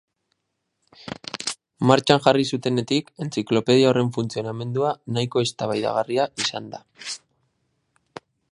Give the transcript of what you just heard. Martxan jarri zutenetik entziklopedia horren funtzionamendua nahiko eztabaidagarria izan da.